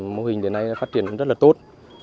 mô hình đến nay phát triển rất tốt